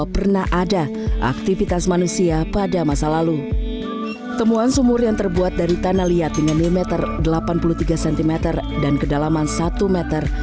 temuan sumur yang terbuat dari tanah liat dengan diameter delapan puluh tiga cm dan kedalaman satu meter